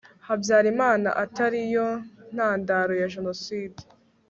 habyarimana atari yo ntandaro ya jenoside